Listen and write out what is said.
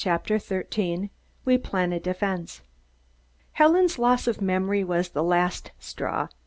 CHAPTER THIRTEEN WE PLAN THE DEFENSE Helen's loss of memory was the last straw.